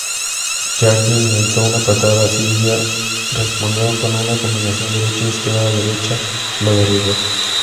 Jardine lanzó una patada, Silva respondió con una combinación derecha-izquierda-derecha que lo derribó.